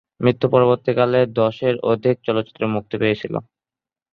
মৃত্যু পরবর্তীকালে দশের অধিক চলচ্চিত্র মুক্তি পেয়েছিল।